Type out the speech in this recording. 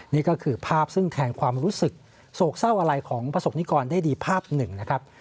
นี่ก็คือภาพซึ่งแทนความรู้สึกโศกเศร้าอะไรของประสบนิกรได้ดีภาพหนึ่งนะครับ